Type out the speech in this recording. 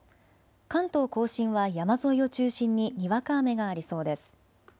関東甲信は山沿いを中心ににわか雨がありそうです。